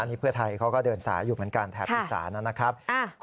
นี่เพื่อไทยเขาก็เดินสายอยู่เหมือนกันแถบอีสานนะครับ